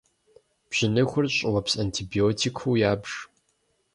Бжьыныхур щӏыуэпс антибиотикыу ябж.